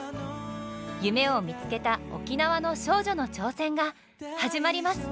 夢を見つけた沖縄の少女の挑戦が始まります！